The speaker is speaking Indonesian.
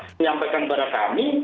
menyampaikan kepada kami